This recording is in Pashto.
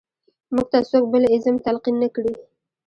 موږ ته څوک بل ایزم تلقین نه کړي.